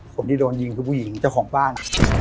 คนที่โดนยิงคือผู้หญิงเจ้าของบ้าน